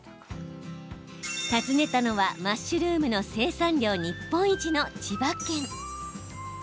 訪ねたのは、マッシュルームの生産量日本一の千葉県。